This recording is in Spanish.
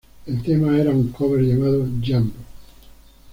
El tema era un cover llamado ""Jump!"".